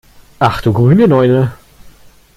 Ach du grüne Neune!